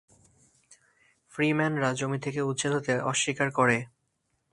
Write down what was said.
ফ্রিম্যানরা জমি থেকে উচ্ছেদ হতে অস্বীকার করে।